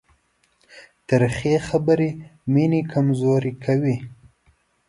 تریخې خبرې مینه کمزورې کوي.